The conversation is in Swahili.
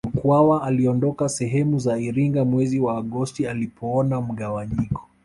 Mkwawa aliondoka sehemu za Iringa mwezi wa Agosti alipoona mgawanyiko